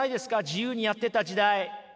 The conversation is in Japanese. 自由にやってた時代。